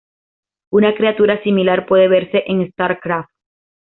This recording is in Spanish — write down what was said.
Una criatura similar puede verse en Starcraft.